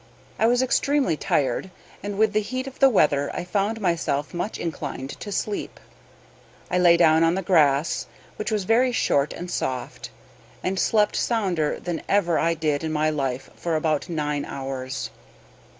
I was extremely tired, and with the heat of the weather I found myself much inclined to sleep. I lay down on the grass, which was very short and soft, and slept sounder than ever I did in my life for about nine hours.